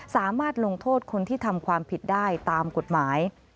สามารถลงโทษคนที่ทำความผิดได้ตามกฎหมาย